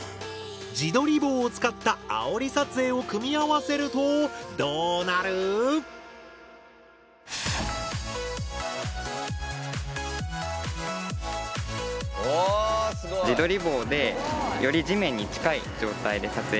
自撮り棒を使ったあおり撮影を組み合わせるとどうなる⁉あすごい！